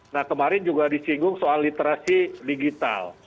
nah kemarin juga disinggung soal literasi digital